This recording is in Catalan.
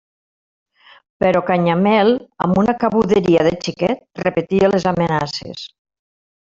Però Canyamel, amb una cabuderia de xiquet, repetia les amenaces.